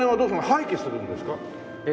廃棄するんですか？